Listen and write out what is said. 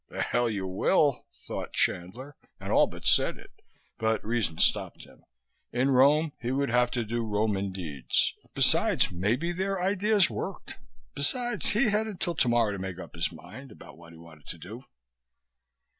"The hell you will," thought Chandler, and all but said it; but reason stopped him. In Rome he would have to do Roman deeds. Besides, maybe their ideas worked. Besides, he had until tomorrow to make up his mind about what he wanted to do.